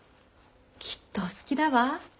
きっとお好きだわ。